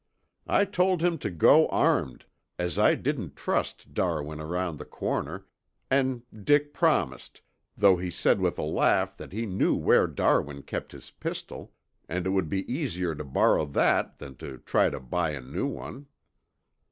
I told him to go armed, as I didn't trust Darwin around the corner, and Dick promised, though he said with a laugh that he knew where Darwin kept his pistol, and it would be easier to borrow that than to try to buy a new one.